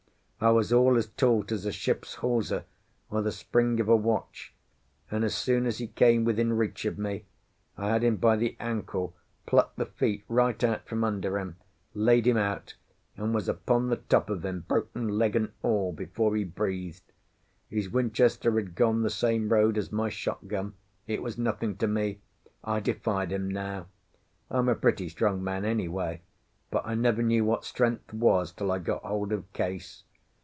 I was all as taut as a ship's hawser or the spring of a watch, and as soon as he came within reach of me I had him by the ankle, plucked the feet right out from under him, laid him out, and was upon the top of him, broken leg and all, before he breathed. His Winchester had gone the same road as my shot gun; it was nothing to me—I defied him now. I'm a pretty strong man anyway, but I never knew what strength was till I got hold of Case.